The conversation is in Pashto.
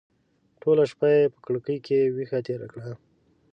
ټوله شپه یې په کړکۍ کې ویښه تېره کړه.